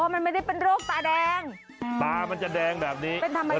ว่ามันไม่ได้เป็นโรคตาแดงตามันจะแดงแบบนี้เป็นธรรมชาติ